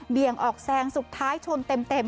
ี่ยงออกแซงสุดท้ายชนเต็ม